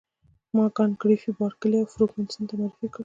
ما کانت ګریفي بارکلي او فرګوسن ته معرفي کړ.